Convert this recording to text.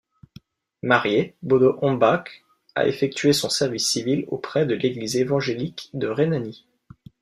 Marié, Bodo Hombach a effectué son service civil auprès de l'Église évangélique de Rhénanie.